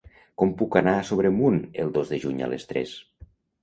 Com puc anar a Sobremunt el dos de juny a les tres?